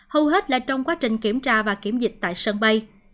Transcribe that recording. hầu hết là trong quá trình kiểm tra và kiểm dịch tại sân bay